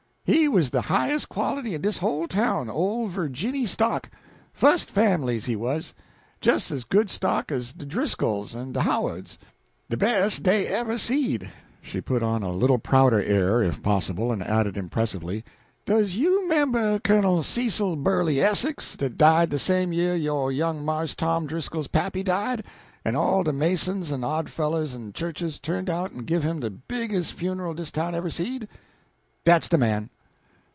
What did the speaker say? He wuz de highest quality in dis whole town ole Virginny stock. Fust famblies, he wuz. Jes as good stock as de Driscolls en de Howards, de bes' day dey ever seed." She put on a little prouder air, if possible, and added impressively: "Does you 'member Cunnel Cecil Burleigh Essex, dat died de same year yo' young Marse Tom Driscoll's pappy died, en all de Masons en Odd Fellers en Churches turned out en give him de bigges' funeral dis town ever seed? Dat's de man."